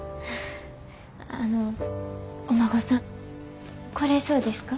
あのお孫さん来れそうですか？